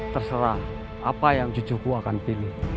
terserah apa yang cucuku akan pilih